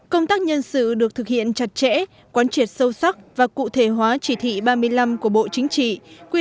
công tác nhân sự được thực hiện chặt chẽ quán triệt sâu sắc và cụ thể hóa chỉ thị ba mươi năm của bộ chính trị